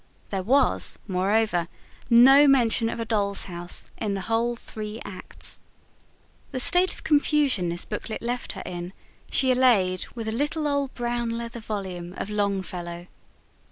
There was, moreover, no mention of a doll's house in the whole three acts. The state of confusion this booklet left her in, she allayed with a little old brown leather volume of Longfellow.